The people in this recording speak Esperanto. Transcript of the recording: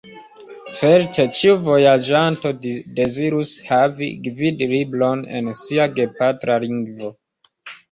Certe, ĉiu vojaĝanto dezirus havi gvidlibron en sia gepatra lingvo.